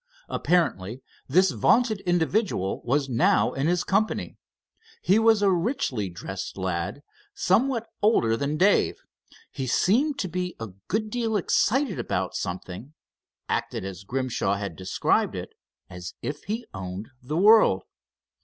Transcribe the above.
Apparently this vaunted individual was now in his company. He was a richly dressed lad, somewhat older than Dave. He seemed to be a good deal excited about something; acted, as Grimshaw had described it, as if he owned the world.